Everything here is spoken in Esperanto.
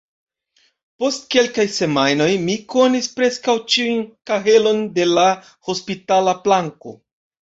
Post kelkaj semajnoj, mi konis preskaŭ ĉiun kahelon de la hospitala planko.